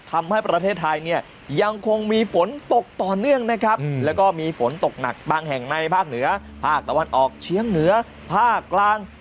ทำให้ประเทศไทยเนี่ยยังคงมีฝนตกต่อเนื่องนะครับแล้วก็มีฝนตกหนักบางแห่งในภาคเหนือภาคตะวันออกเชียงเหนือภาคกลาง